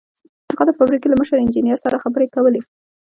هغه د فابريکې له مشر انجنير سره خبرې کولې.